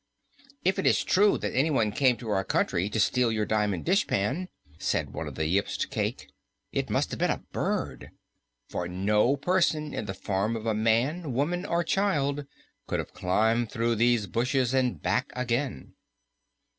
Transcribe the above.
"If it is true that anyone came to our country to steal your diamond dishpan," said one of the Yips to Cayke, "it must have been a bird, for no person in the form of a man, woman or child could have climbed through these bushes and back again."